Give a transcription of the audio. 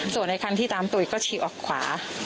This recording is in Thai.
ส่วนไอ้คันที่ตามตุ๋ยก็ฉี่ออกขวา